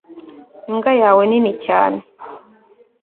imbwa yawe nini cyane